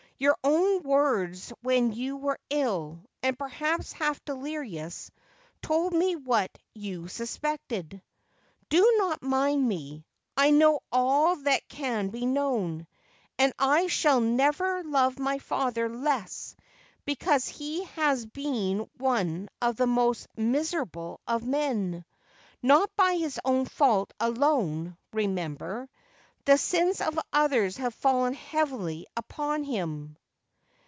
Your own words when you were ill, and perhaps half delirious, told me what you suspected. Do not mind me. I know all that can be known, and I shall never love my father less because he has been one of the most miserable of men. Not by his own fault alone, remember. The sins of others have fallen heavily upon him.'